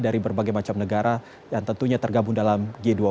dari berbagai macam negara yang tentunya tergabung dalam g dua puluh